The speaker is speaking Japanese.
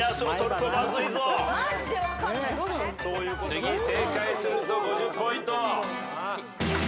次正解すると５０ポイント。